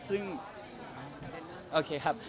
ซึ่งโอเคครับ